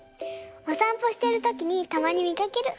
おさんぽしてるときにたまにみかける。